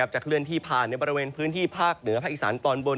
จะเคลื่อนที่ผ่านในบริเวณพื้นที่ภาคเหนือภาคอีสานตอนบน